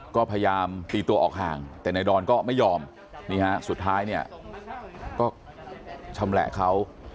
ก็พยายามตีตัวออกห่างแต่นายดอนก็ไม่ยอมนี่ฮะสุดท้ายเนี่ยก็ชำแหละเขา